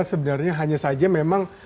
sebenarnya hanya saja memang